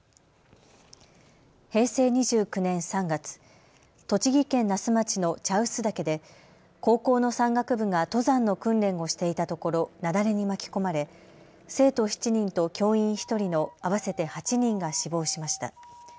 平成２９年３月、栃木県那須町の茶臼岳で高校の山岳部が登山の訓練をしていたところ雪崩に巻き込まれ生徒７人と教員１人の合わせて８人が死亡しました。